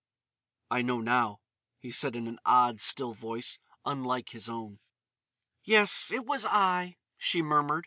"I know now," he said in an odd, still voice, unlike his own. "Yes, it was I," she murmured.